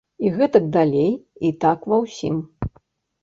І гэтак далей, і так ва ўсім.